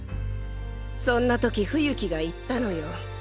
そんな時冬木が言ったのよ。